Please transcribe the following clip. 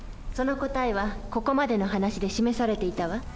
その答えはここまでの話で示されていたわ。